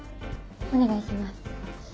お願いします。